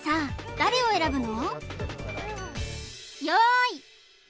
誰を選ぶの？